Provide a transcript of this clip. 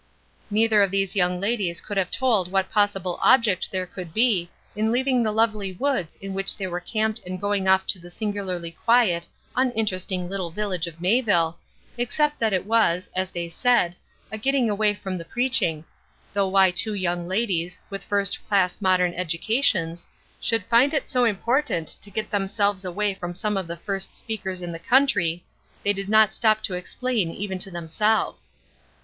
Neither of these young ladies could have told what possible object there could be in leaving the lovely woods in which they were camped and going off to the singularly quiet, uninteresting little village of Mayville, except that it was, as they said, a getting away from the preaching though why two young ladies, with first class modern educations, should find it so important to get themselves away from some of the first speakers in the country they did not stop to explain even to themselves.